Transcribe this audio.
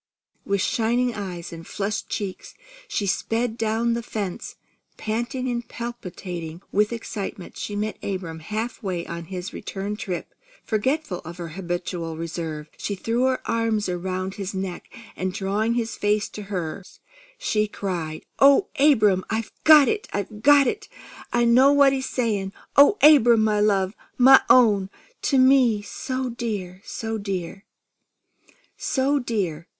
With shining eyes and flushed cheeks, she sped down the fence. Panting and palpitating with excitement, she met Abram half way on his return trip. Forgetful of her habitual reserve, she threw her arms around his neck, and drawing his face to hers, she cried: "Oh, Abram! I got it! I got it! I know what he's saying! Oh, Abram, my love! My own! To me so dear! So dear!" "So dear!